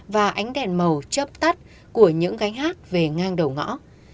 và ánh đèn màu chấp tắt của những gánh hát về ngang đầu ngõ